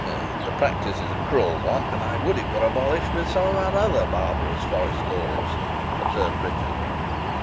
"The practice is a cruel one, and I would it were abolished with some of our other barbarous forest laws," observed Richard.